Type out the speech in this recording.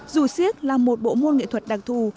dù siếc là một bộ môn nghệ thuật đặc thù